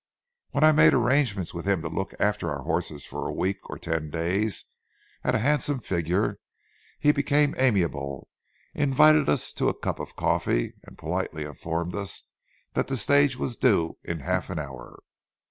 When I made arrangements with him to look after our horses for a week or ten days at a handsome figure, he became amiable, invited us to a cup of coffee, and politely informed us that the stage was due in half an hour.